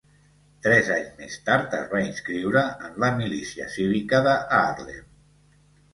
Tres anys més tard es va inscriure en la milícia cívica de Haarlem.